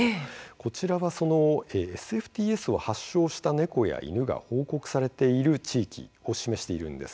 こちらは、そのＳＦＴＳの発症した猫や犬が報告された地域を示しています。